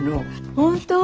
本当？